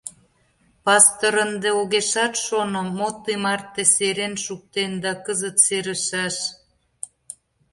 Пастор ынде огешат шоно, мом ты марте серен шуктен да кызыт серышаш.